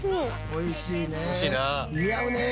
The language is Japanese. おいしいな。